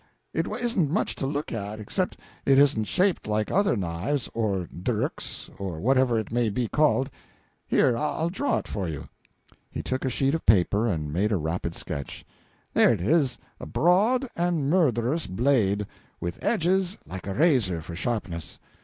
It isn't much too look at, except that it isn't shaped like other knives, or dirks, or whatever it may be called here, I'll draw it for you." He took a sheet of paper and made a rapid sketch. "There it is a broad and murderous blade, with edges like a razor for sharpness.